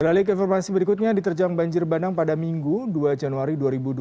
beralih ke informasi berikutnya diterjang banjir bandang pada minggu dua januari dua ribu dua puluh